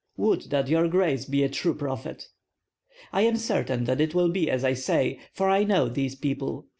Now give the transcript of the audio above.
"Would that your grace be a true prophet!" "I am certain that it will be as I say, for I know these people.